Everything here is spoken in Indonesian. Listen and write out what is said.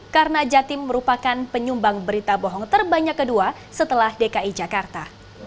karena jatim merupakan penyumbang berita bohong terbanyak kedua setelah dki jakarta